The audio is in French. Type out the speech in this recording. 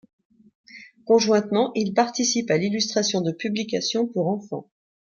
Conjointement, il participe à l'illustration de publications pour enfants.